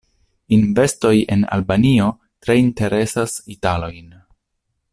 Investoj en Albanio tre interesas italojn.